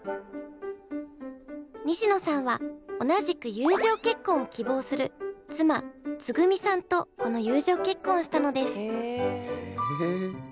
西野さんは同じく友情結婚を希望する妻ツグミさんとこの友情結婚をしたのです。